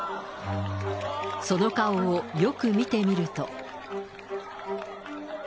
その顔をよく見てみると。